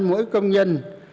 mỗi công nhân